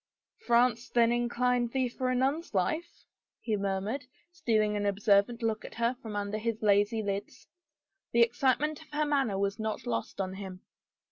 " France then inclined thee for a nun's life? " he mur mured, stealing an observant look at her from under his lazy lids. The excitement of her manner was not lost on him.